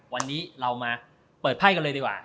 วันนี้เรามาเปิดไพ่กันเลยดีกว่า